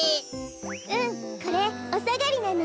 うんこれおさがりなの。